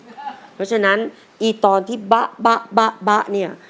เพราะฉะนั้นอีตอนที่บะเนี่ย